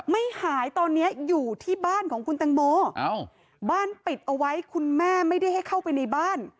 ไม่หายตอนนี้อยู่ที่บ้านของคุณตังโมบ้านปิดเอาไว้คุณแม่ไม่ได้ให้เข้าไปในบ้าน